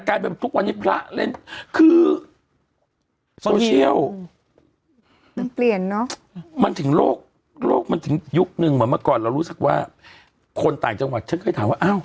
แต่กันเป็นเดี่ยวอย่างใดนี้บ้างประเทศมากน๊ะคือโซเชียล